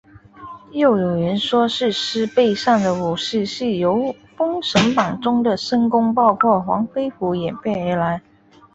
又有人说是狮背上的武士是由封神榜中的申公豹或黄飞虎演变而来。